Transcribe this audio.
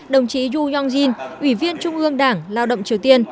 đồng chí yu yong jin ủy viên trung ương đảng lao động triều tiên